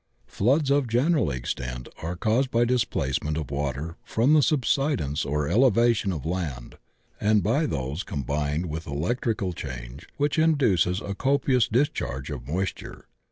Floods of general extent are caused by displacement of water from the subsidence or elevation of land, and by those combined with electrical change which induces a copious discharge of moisture.